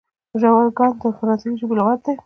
ژورګان د فرانسوي ژبي لغات دئ.